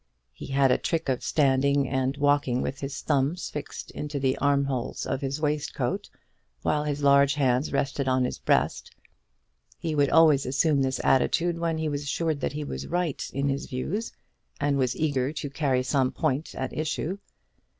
He had a trick of standing and walking with his thumbs fixed into the armholes of his waistcoat, while his large hands rested on his breast. He would always assume this attitude when he was assured that he was right in his views, and was eager to carry some point at issue.